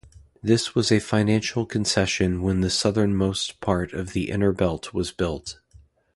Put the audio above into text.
This was a financial concession when the southernmost part of the Innerbelt was built.